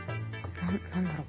何だろう？